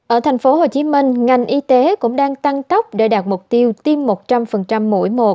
ở thành phố hồ chí minh ngành y tế cũng đang tăng tốc để đạt mục tiêu tiêm một trăm linh mỗi mùa